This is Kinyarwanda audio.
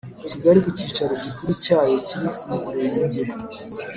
Kigali ku cyicaro gikuru cyayo kiri mu Murenge